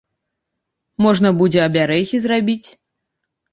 Можна будзе абярэгі зрабіць.